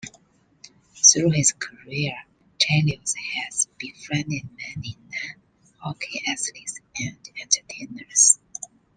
Through his career, Chelios has befriended many non-hockey athletes and entertainers.